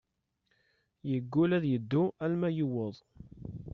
Yegull ad yeddu alma yuweḍ.